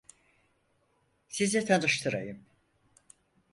Sizi tanıştırayım.